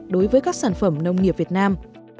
đối với các sản phẩm nông nghiệp việt nam